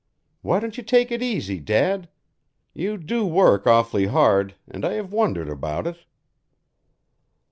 "Why don't you take it easy, Dad? You do work awfully hard, and I have wondered about it."